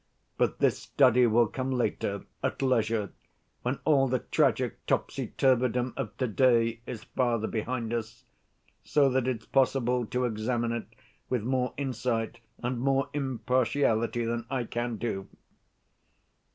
But this study will come later, at leisure, when all the tragic topsy‐turvydom of to‐day is farther behind us, so that it's possible to examine it with more insight and more impartiality than I can do.